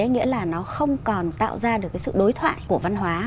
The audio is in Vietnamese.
nghĩa là nó không còn tạo ra được cái sự đối thoại của văn hóa